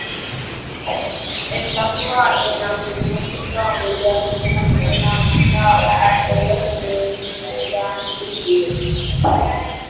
އެސަފުހާ އޭނާ ކުރިމަތީގައި ހުޅުވައިފިނަމަ އޭނާ މަށާ ވައިއެޅެން ބޭނުން ނުވެދާނެތީ ބިރުން